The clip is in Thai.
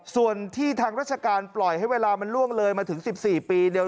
ส่วนที่ทางราชการปล่อยให้เวลามันล่วงเลยมาถึง๑๔ปีเนี่ย